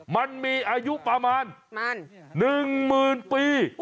มันมีอายุประมาณ๑๐๐๐ปี